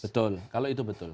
betul kalau itu betul